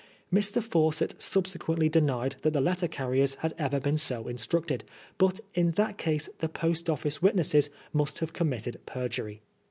Mr. Fawcett subsequently denied that the letter carriers had ever been so instructed ; but in that case the Post Office witnesses must have committed perjury.